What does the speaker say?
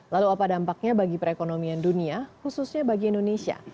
lalu apa dampaknya bagi perekonomian dunia khususnya bagi indonesia